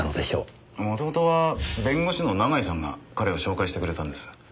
元々は弁護士の永井さんが彼を紹介してくれたんです。